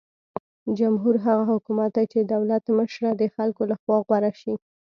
جمهور هغه حکومت دی چې د دولت مشره د خلکو لخوا غوره شي.